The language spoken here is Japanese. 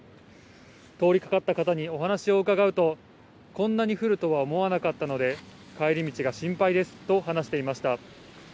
通りかかった方にお話を伺うと、こんなに降るとは思わなかったので、帰り道が心配ですと話していました。